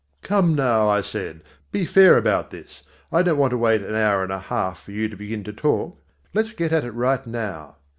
"Come now," I said, "be fair about this. I don't want to wait an hour and a half for you to begin to talk. Let's get at it right now."